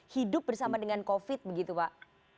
hidup bersama dengan covid begitu pak